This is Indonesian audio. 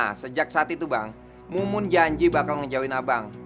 nah sejak saat itu bang mumun janji bakal ngejauin abang